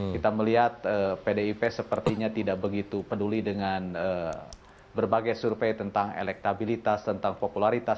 kita melihat pdip sepertinya tidak begitu peduli dengan berbagai survei tentang elektabilitas tentang popularitas